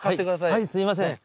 はいすみません。